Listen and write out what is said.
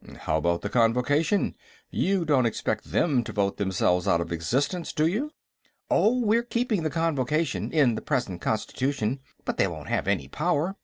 "How about the Convocation? You don't expect them to vote themselves out of existence, do you?" "Oh, we're keeping the Convocation, in the present constitution, but they won't have any power.